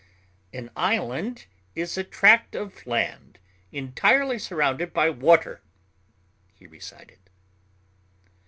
"An island is a tract of land entirely surrounded by water," he recited.